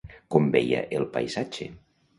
Com veia el paisatge?